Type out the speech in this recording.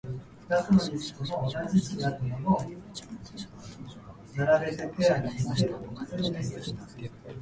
タラスはすぐ承知しました。そこで二人は自分たちの持ち物を分けて二人とも王様になり、お金持になりました。